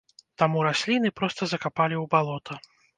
Таму расліны проста закапалі ў балота.